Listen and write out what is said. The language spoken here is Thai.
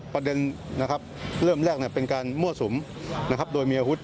ประเด็นเริ่มแรกเป็นการมั่วสุมโดยมีอาวุธ